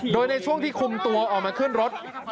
โดยในช่วงที่คุมตัวออกมาขึ้นรถ